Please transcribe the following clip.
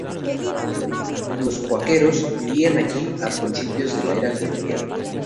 Los cuáqueros vivían allí a principios de la era colonial.